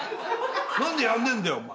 何でやんねえんだよお前」